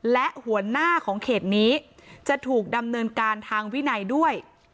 และหัวหน้าของเขตนี้จะถูกดำเนินการทางวินัยด้วย